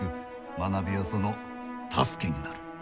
学びはその助けになる。